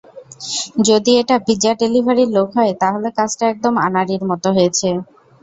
যদি এটা পিজ্জা ডেলিভারির লোক হয়, তাহলে কাজটা একদম আনাড়ির মত হয়েছে।